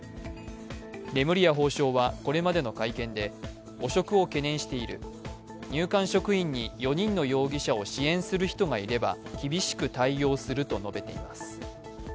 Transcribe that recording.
レムリヤ法相はこれまでの会見で、汚職を懸念している、入管職員に４人の容疑者を支援する人がいれば厳しく対応すると述べています。